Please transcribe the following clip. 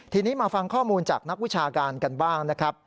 ทีนี้มาฟังข้อมูลจากนักวิชาการกันบ้างนะครับ